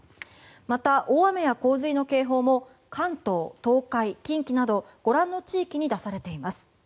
また大雨や洪水の警報も関東、東海、近畿などご覧の地域に出されています。